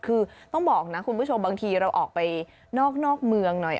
คือต้องบอกนะคุณผู้ชมบางทีเราออกไปนอกเมืองหน่อย